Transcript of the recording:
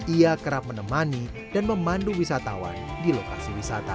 ia kerap menemani dan memandu wisatawan di lokasi wisata